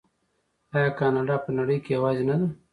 آیا کاناډا په نړۍ کې یوازې نه ده؟